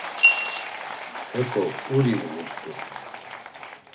Heko; uri uğurt̆u.